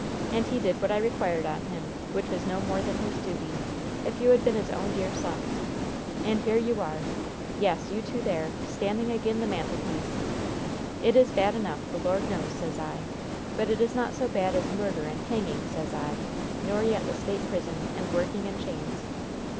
And he did what I required on him, which was no more than his duty, if you had been his own dear sons. And here you are! Yes, you two there, standing agin' the mantelpiece! It is bad enough, the Lord knows, sez I. But it is not so bad as murder and hanging, sez I, nor yet the State prison, and working in chains!